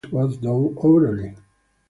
Fortunately for me, this was done orally.